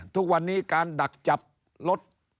ทุกวันนี้การดักจับรถ